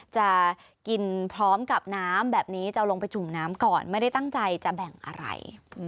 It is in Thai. จะกินพร้อมกับน้ำแบบนี้จะเอาลงไปจุ่มน้ำก่อนไม่ได้ตั้งใจจะแบ่งอะไร